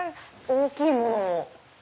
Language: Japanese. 大きいものも！